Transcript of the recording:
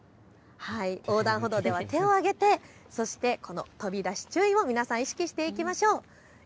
横断歩道では手を上げて、そしてこの飛び出し注意を皆さん、意識していきましょう。